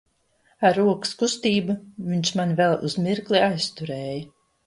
Ar rokas kustību viņš mani vēl uz mirkli aizturēja.